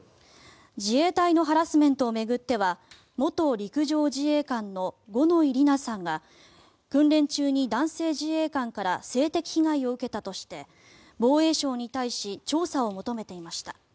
自衛隊のハラスメントを巡っては元陸上自衛官の五ノ井里奈さんが訓練中に男性自衛官から性的被害を受けたとして防衛省に対し調査を求めていました。